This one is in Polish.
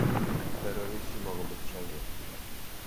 Terroryści mogą być wszędzie